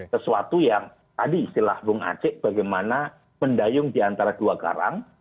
sesuatu yang tadi istilah bung aceh bagaimana mendayung di antara dua karang